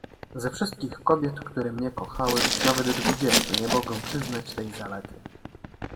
"Ze wszystkich kobiet, które mnie kochały, nawet dwudziestu nie mogę przyznać tej zalety!"